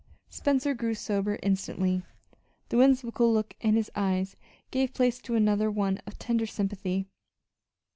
Spencer grew sober instantly. The whimsical look in his eyes gave place to one of tender sympathy.